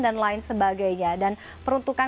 dan lain sebagainya dan peruntukan